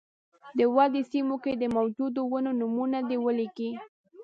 د ودې سیمو کې د موجودو ونو نومونه دې ولیکي.